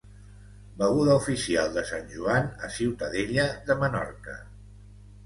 Beguda oficial de sant Joan a Ciutadella de Menorca.